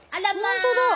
本当だ。